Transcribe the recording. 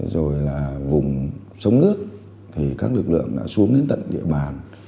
rồi là vùng sống nước thì các lực lượng đã xuống đến tận địa bàn